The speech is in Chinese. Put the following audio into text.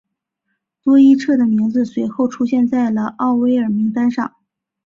多伊彻的名字随后出现在了奥威尔名单上。